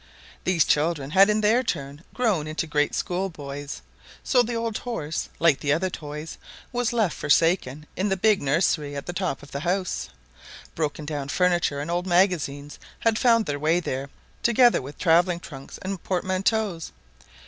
These children had in their turn grown into great schoolboys, so the old horse, like the other toys, was left forsaken in the big nursery at the top of the house. Broken down furniture and old magazines had found their way there, together with travelling trunks and portmanteaux.